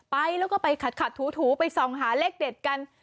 ไปแล้วก็ไปขัดถูไปส่องหาเลขเด็ดกัน